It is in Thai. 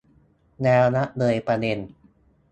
แล้วละเลยประเด็น